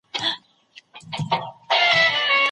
ایا افغان سوداګر چارمغز ساتي؟